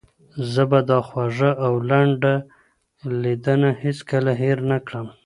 زه به دا خوږه او لنډه لیدنه هیڅکله هېره نه کړم.